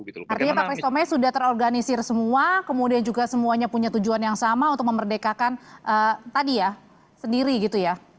artinya pak kristome sudah terorganisir semua kemudian juga semuanya punya tujuan yang sama untuk memerdekakan tadi ya sendiri gitu ya